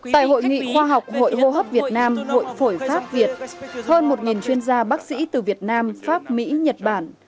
tại hội nghị khoa học hội hô hấp việt nam hội phổi pháp việt hơn một chuyên gia bác sĩ từ việt nam pháp mỹ nhật bản